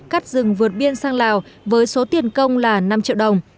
cắt rừng vượt biên sang lào với số tiền công là năm triệu đồng